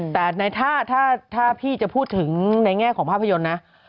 แต่ถ้าพี่จะพูดถึงในแง่ของภาพยนตร์นะ